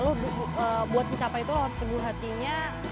lo buat mencapai itu lo harus teguh hatinya